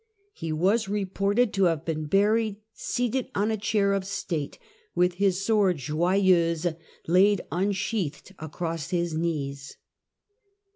He was reported to have been buried seated on a chair of state, with his sword Joyeuse laid unsheathed across his knees.